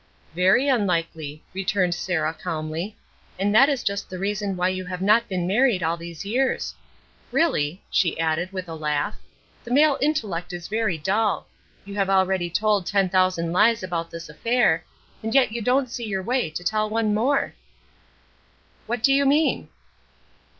"Very unlikely," returned Sarah calmly, "and that is just the reason why you have not been married all these years. Really," she added, with a laugh, "the male intellect is very dull. You have already told ten thousand lies about this affair, and yet you don't see your way to tell one more." "What do you mean?"